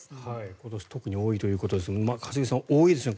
今年特に多いということですので一茂さん、多いですね